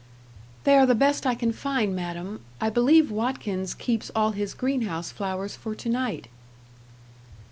"They are the best I can find, madam I believe Watkins keeps all his greenhouse flowers for to night."